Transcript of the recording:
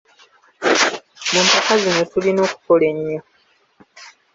Mu mpaka zino tulina okukola ennyo.